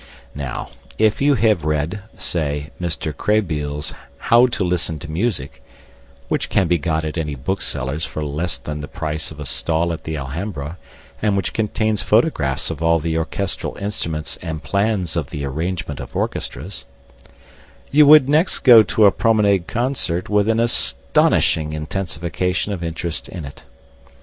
Now, if you have read, say, Mr. Krehbiel's "How to Listen to Music" (which can be got at any bookseller's for less than the price of a stall at the Alhambra, and which contains photographs of all the orchestral instruments and plans of the arrangement of orchestras) you would next go to a promenade concert with an astonishing intensification of interest in it.